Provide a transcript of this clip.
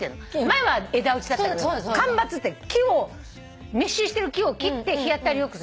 前は枝打ちだったけど間伐って密集してる木を切って日当たりよくする。